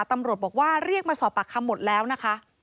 ตำรวจบอกว่าเรียกมาสอบปากคำหมดแล้วนะคะ